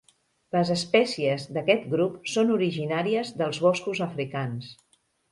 Les espècies d'aquest grup són originàries dels boscos africans.